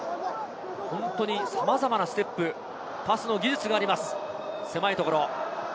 本当にさまざまなステップ、パスの技術があります、狭いところ。